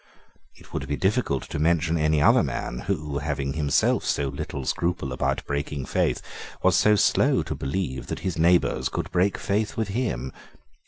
It would be difficult to mention any other man who, having himself so little scruple about breaking faith, was so slow to believe that his neighbours could break faith with him.